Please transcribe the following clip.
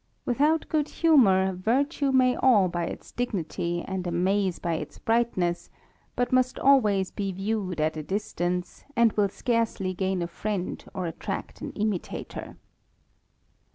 Without good humour, xirtue may awe by its. dignity, and amaze by its brightness ; but must always be yiewed at a will scarcely gain a friend or attract an imitator.